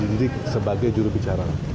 kita didik sebagai jurubicara